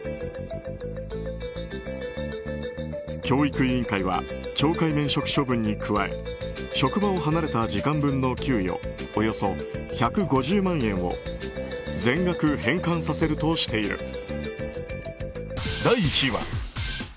教育委員会は懲戒免職処分に加え職場を離れた時間分の給与およそ１５０万円を全額返還させるとしている。